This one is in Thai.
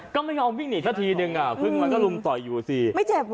ก็ไม่ยอมวิ่งหนีสักทีนึงอ่ะพึ่งมันก็ลุมต่อยอยู่สิไม่เจ็บเหรอ